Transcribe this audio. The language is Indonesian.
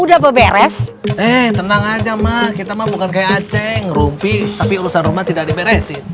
udah beres eh tenang aja mah kita mah bukan kayak aceng rumpi tapi urusan rumah tidak diperesin